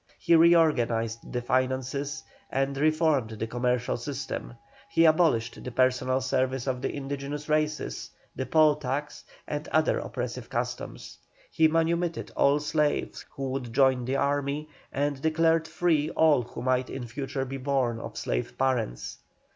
He reorganized the finances and reformed the commercial system. He abolished the personal service of the indigenous races, the poll tax, and other oppressive customs. He manumitted all slaves who would join the army, and declared free all who might in future be born of slave parents.